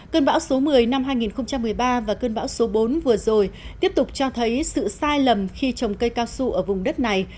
cơn bão số một mươi năm hai nghìn một mươi ba và cơn bão số bốn vừa rồi tiếp tục cho thấy sự sai lầm khi trồng cây cao su ở vùng đất này